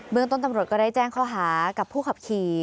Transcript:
เมืองต้นตำรวจก็ได้แจ้งข้อหากับผู้ขับขี่